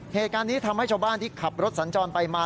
เหตุการณ์นี้ทำให้ชาวบ้านที่ขับรถสัญจรไปมา